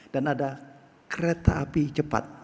dan ada kereta api cepat